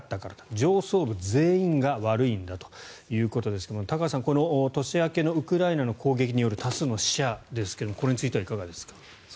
上層部全員が悪いんだということですが高橋さん、この年明けのウクライナの攻撃による多数の死者ですがこれについてはいかがですか。